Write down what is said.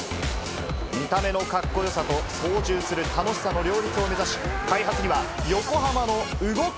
見た目のカッコよさと操縦する楽しさの両立を目指し、開発には横浜の動く